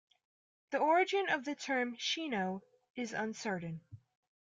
The origin of the term "Shino" is uncertain.